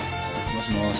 もしもし。